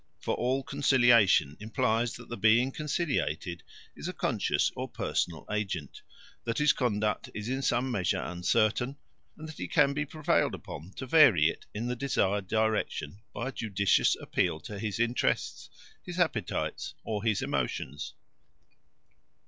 For all conciliation implies that the being conciliated is a conscious or personal agent, that his conduct is in some measure uncertain, and that he can be prevailed upon to vary it in the desired direction by a judicious appeal to his interests, his appetites, or his emotions.